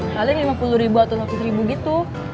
mungkin lima puluh ribu atau lima puluh ribu gitu